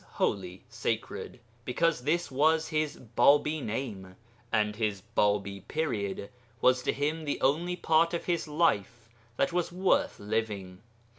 holy, sacred, because this was his Bābī name, and his Bābī period was to him the only part of his life that was worth living.